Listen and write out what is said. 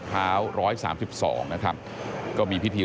พบหน้าลูกแบบเป็นร่างไร้วิญญาณ